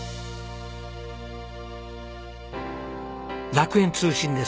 楽園通信です。